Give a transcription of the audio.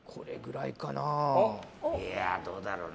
いや、どうだろうな。